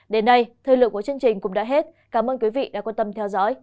đến đây thời lượng của chương trình cũng đã hết cảm ơn quý vị đã quan tâm theo dõi